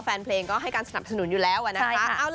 แฟนเพลงก็ให้การสนับสนุนอยู่แล้วนะคะ